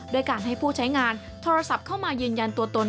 ด้วยการให้ผู้ใช้งานโทรศัพท์เข้ามายืนยันตัวตน